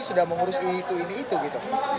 sudah mengurus ini itu ini itu gitu